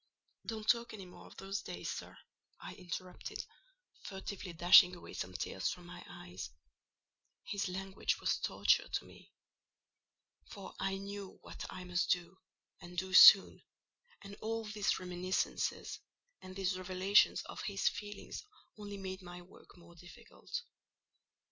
"Don't talk any more of those days, sir," I interrupted, furtively dashing away some tears from my eyes; his language was torture to me; for I knew what I must do—and do soon—and all these reminiscences, and these revelations of his feelings only made my work more difficult.